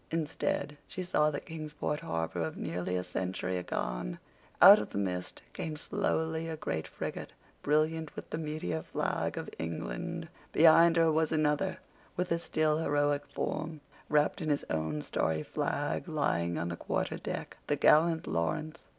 Instead, she saw the Kingsport Harbor of nearly a century agone. Out of the mist came slowly a great frigate, brilliant with "the meteor flag of England." Behind her was another, with a still, heroic form, wrapped in his own starry flag, lying on the quarter deck—the gallant Lawrence.